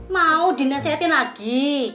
mau dinasihatin lagi